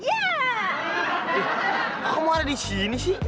iya kok kamu ada disini sih